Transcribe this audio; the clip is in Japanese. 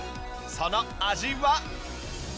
その味は？